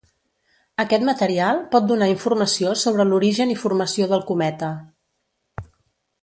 Aquest material pot donar informació sobre l'origen i formació del cometa.